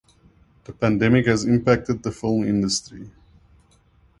The pandemic has impacted the film industry.